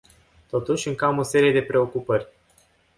Totuși, încă am o serie de preocupări.